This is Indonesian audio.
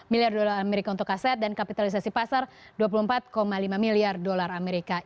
tiga miliar dolar amerika untuk aset dan kapitalisasi pasar dua puluh empat lima miliar dolar amerika